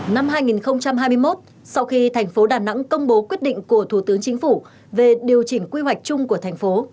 năm hai nghìn hai mươi một sau khi thành phố đà nẵng công bố quyết định của thủ tướng chính phủ về điều chỉnh quy hoạch chung của thành phố